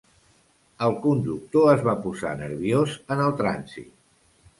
El conductor es va posar nerviós en el trànsit.